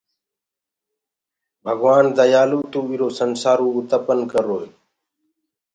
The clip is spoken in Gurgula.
تو ديآ ڀگوآن ديآلو تو ايرو سنسآرو اُتپن ڪروئي